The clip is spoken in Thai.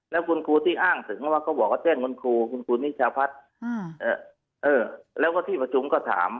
แล้วคุณครูที่อ้างถึงว่าก็บอกว่าแจ้งคุณครูคุณครูนิชาพัฒน์แล้วก็ที่ประชุมก็ถาม